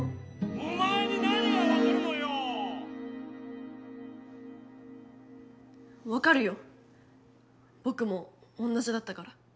・おまえに何がわかるのよ！わかるよぼくも同じだったから。